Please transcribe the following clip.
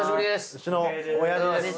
うちの親父です。